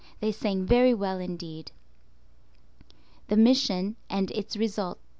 They sang very well indeed. THE MISSION AND ITS RESULT.